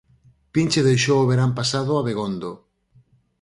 Pinchi deixou o verán pasado Abegondo.